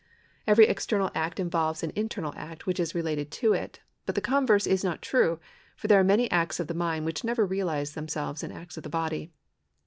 Every external act involves an internal act which is related to it ; but the converse is not true, for there are many acts of the mind which never realise themselves in acts of the body.